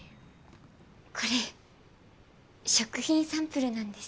これ食品サンプルなんです。